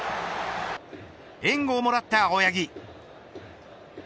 援護をもらった青柳。